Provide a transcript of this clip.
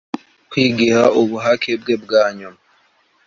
kwigiha ubuhake bwe bwa nyuma,